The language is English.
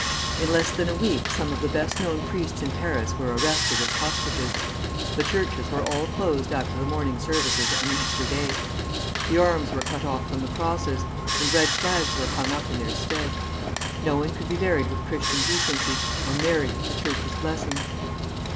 In less than a week some of the best known priests in Paris were arrested as hostages. The churches were all closed after the morning services on Easter Day; the arms were cut off from the crosses, and red flags were hung up in their stead. No one could be buried with Christian decency, or married with the Church's blessing.